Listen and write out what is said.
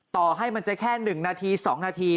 ต่อให้มันจะแค่๑นาที๒นาที